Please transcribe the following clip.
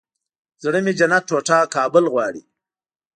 زړه مې جنت ټوټه کابل غواړي